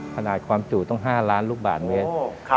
ขนาดความจู่ต้อง๕ล้านลูกบาทเมตร